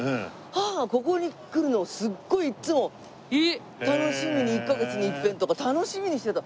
母がここに来るのをすごいいつも楽しみに１カ月に一遍とか楽しみにしてた。